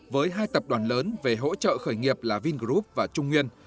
với hai tập đoàn lớn về hỗ trợ khởi nghiệp là vingroup và chủ tịch